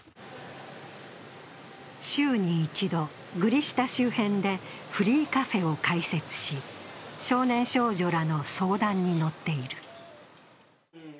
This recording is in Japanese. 週に１度、グリ下周辺でフリーカフェを開設し、少年少女らの相談に乗っている。